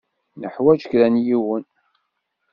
Nuḥwaǧ kra n yiwen.